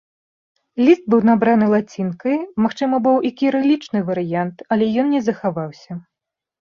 Ліст быў набраны лацінкай, магчыма быў і кірылічны варыянт, але ён не захаваўся.